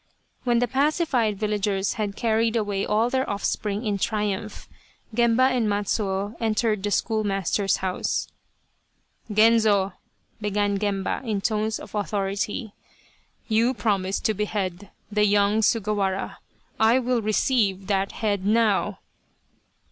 When the pacified villagers had carried away all their offspring in triumph, Gemba and Matsuo entered the schoolmaster's house. " Genzo !" began Gemba, in tones of authority, " you promised to behead the young Sugawara I will receive that head now